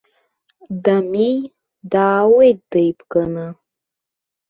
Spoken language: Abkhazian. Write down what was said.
Дамеи даауеит деибганы!